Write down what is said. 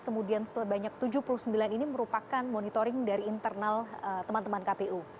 kemudian sebanyak tujuh puluh sembilan ini merupakan monitoring dari internal teman teman kpu